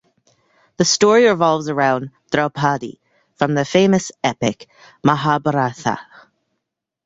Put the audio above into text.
The story revolves around Draupadi from the famous epic "Mahabharatha".